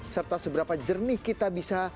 serta seberapa jernih kita bisa